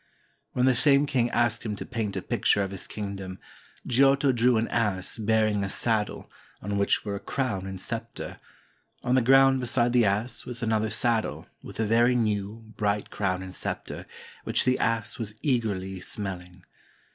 When the same king asked him to paint a picture of his kingdom, Giotto drew an ass bearing a saddle, on which were a crown and scepter; on the ground beside the ass was another saddle, with a very new, bright crown and scepter, which the ass was eagerly smelHng.